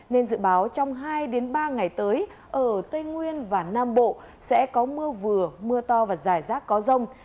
nên dự báo trong hai ba ngày tới ở tây nguyên và nam bộ sẽ có mưa vừa mưa to và dài rác có rông